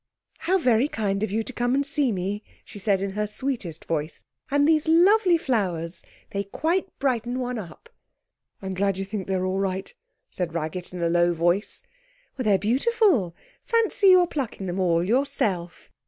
'How very kind of you to come and see me,' she said in her sweetest voice, 'and these lovely flowers! They quite brighten one up.' 'I'm glad you think they're all right,' said Raggett in a low voice. 'They're beautiful. Fancy your plucking them all yourself!